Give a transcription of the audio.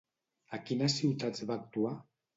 A quines ciutats va actuar?